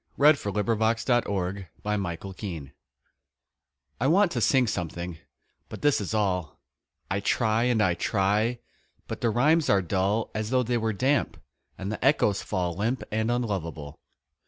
A SCRAWL I want to sing something but this is all I try and I try, but the rhymes are dull As though they were damp, and the echoes fall Limp and unlovable.